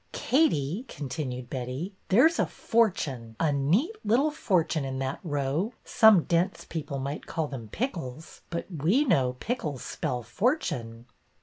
'' Katie," continued Betty, there 's a fortune, a neat little fortune in that row. Some dense people might call them pickles, but we know pickles spell fortune."